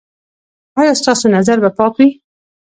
ایا ستاسو نظر به پاک وي؟